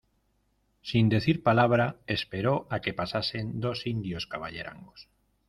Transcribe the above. sin decir palabra esperó a que pasasen dos indios caballerangos